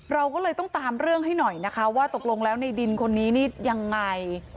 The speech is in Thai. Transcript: เราก็เลยต้องตามเรื่องให้หน่อยนะคะว่าตกลงแล้วในดินคนนี้นี่ยังไง